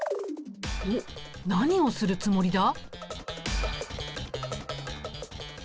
おっ何をするつもりだ？